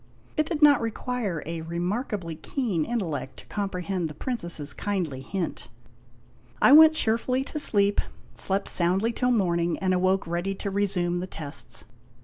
It did not require a remarkably keen intellect to comprehend the Princess's kindly hint. I went cheerfully to sleep, slept soundly till morning, and awoke ready to resume the tests.